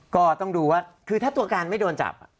ก็ต้องดูว่าคือถ้าตัวการไม่โดนจับ